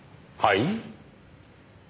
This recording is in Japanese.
はい？